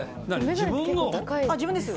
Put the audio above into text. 自分です。